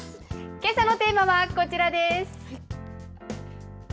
けさのテーマはこちらです。